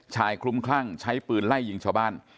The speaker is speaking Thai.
คลุ้มคลั่งใช้ปืนไล่ยิงชาวบ้าน